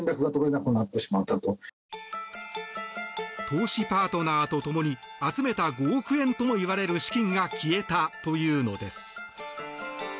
投資パートナーと共に集めた５億円ともいわれる資金が消えたというのです。